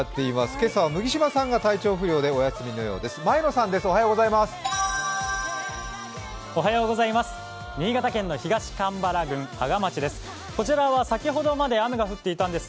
今朝は麦島さんが体調不良でお休みのようです。